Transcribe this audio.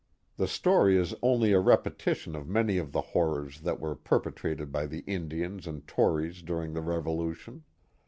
The story is only a repetition of many of the horrors that were perpetrated by the Indians and Tories during the Revolution.